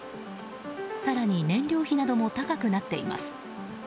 更に燃料費なども高くなっています。